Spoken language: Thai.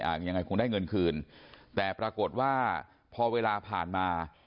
ยังไงคงได้เงินคืนแต่ปรากฏว่าพอเวลาผ่านมา